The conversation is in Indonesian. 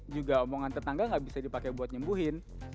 juga omongan tetangga gak bisa dipakai buat nyembuhin